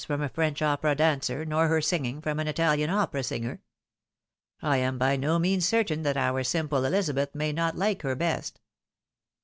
99 from a French opera dancer, nor her singing from an Italian opera singer. I am by no means certain that our simple EUzabeth may not like her best."